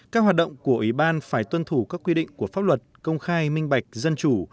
các hoạt động của ủy ban phải tuân thủ các quy định của pháp luật công khai minh bạch dân chủ